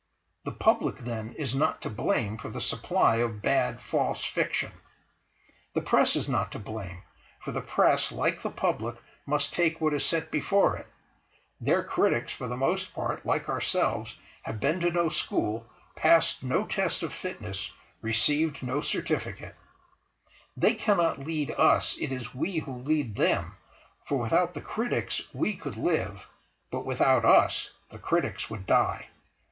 The Public then is not to blame for the supply of bad, false fiction. The Press is not to blame, for the Press, like the Public, must take what is set before it; their Critics, for the most part, like ourselves have been to no school, passed no test of fitness, received no certificate; they cannot lead us, it is we who lead them, for without the Critics we could live but without us the Critics would die.